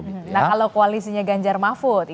nah kalau koalisinya ganjar mahfud